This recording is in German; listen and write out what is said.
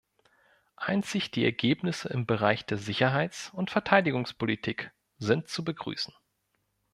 Einzig die Ergebnisse im Bereich der Sicherheits- und Verteidigungspolitik sind zu begrüßen.